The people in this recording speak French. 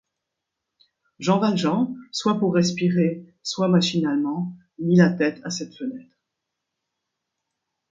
Jean Valjean, soit pour respirer, soit machinalement, mit la tête à cette fenêtre.